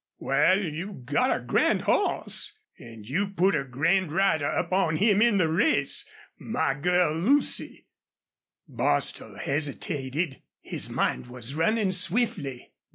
Wal, you've got a grand hoss an' you put a grand rider up on him in the race.... My girl Lucy " Bostil hesitated. His mind was running swiftly.